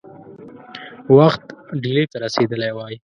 وخت ډهلي ته رسېدلی وای.